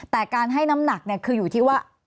แต่การให้น้ำหนักคืออยู่ที่ว่า